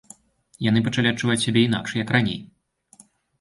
Яны пачалі адчуваць сябе інакш, як раней.